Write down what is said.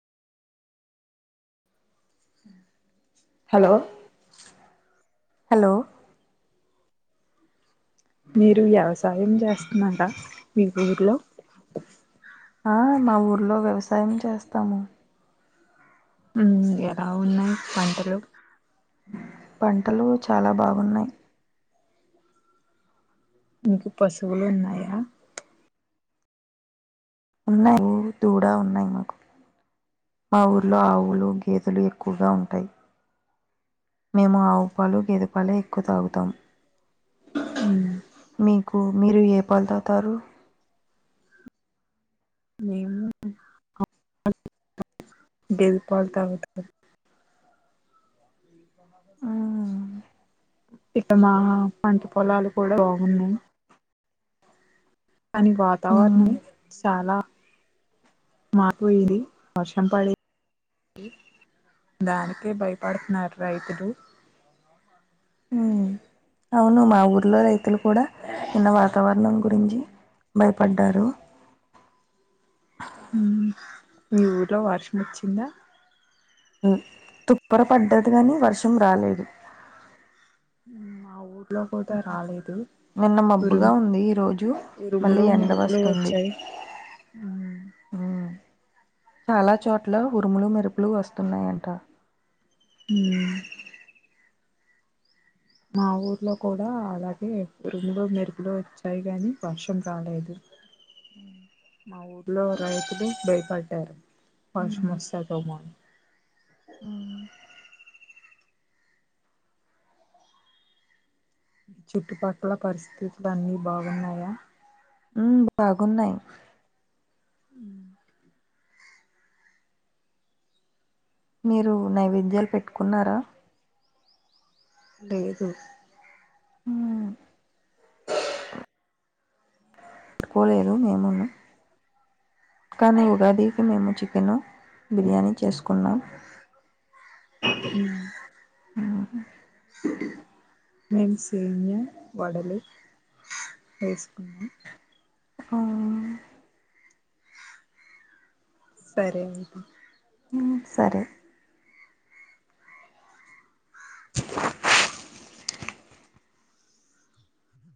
hello hello మీరు వ్యవసాయం చేస్తున్నార మీ ఊర్లో ఆ మా ఊర్లో వ్యవసాయం చేస్తాము మ్మ్ ఎలా ఉన్నాయి పంటలు పంటలు చాలా బాగున్నాయి మీకు పశువులు ఉన్నాయా ఉన్నాయి దూడా ఉన్నాయి మాకు మా ఊర్లో ఆవులు గేదెలు ఎక్కువగా ఉంటాయి మేము ఆవు పాలు గేదె పాలే ఎక్కువ తాగుతాం మ్మ్ మీకు మీరు ఏ పాలు తాగుతారు మేము [inaudible] పాలు [unintelligible] గేదె పాలు తాగుతాను మ్మ్ ఇక్క మా పంట పొలాలు కూడా బాగున్నాయి కాని మ్మ్ వాతావరణం చాలా మాకు ఇది వర్షం పడి దానికే భయపడుతున్నారు రైతులు మ్మ్ అవును మా ఊర్లో రైతులు కూడా నిన్న వాతావరణం గురించి భయపడ్డారు హ్మ్ హు మీ ఊర్లో వర్షం వచ్చిందా మ్మ్ తుప్పర పడ్డది గాని వర్షం రాలేదు కుండపోత రాలేదు నిన్న మబ్బుగా ఉరుము ఉంది ఈ రోజు మళ్ళీ ఉరుములు ఎండ మెరుపులు వస్తుంది వచ్చాయి ఉమ్ చాలా చోట్ల ఉరుములు మెరుపులు వస్తున్నాయంట మ్మ్ మా ఊర్లో కూడా అలాగే ఉరుములు మెరుగులు వచ్చాయి గానీ వర్షం రాలేదు మ్మ్ మా ఊర్లో రైతులే భయపడ్డారు వర్షం వస్తాదేమో అని మ్మ్ చుట్టుపక్కల పరిస్థితులు అన్ని బాగున్నాయా మ్మ్ బాగున్నాయి మ్మ్ ఇంగ మీరు నైవేద్యాలు పెట్టుకున్నారా లేదు ఉమ్ పెట్టుకోలేదు మేమును కానీ ఉగాదికి మేము చికెను బిర్యానీ చేసుకున్నాం ఉమ్ అ [unintelligible] మేము సేమియా వడలు వేసుకున్నాం ఆ సరే ఉంటా ఉమ్ సరే